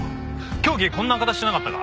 凶器こんな形してなかったか？